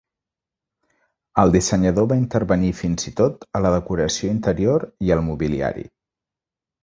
El dissenyador va intervenir fins i tot a la decoració interior i el mobiliari.